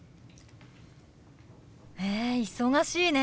へえ忙しいね。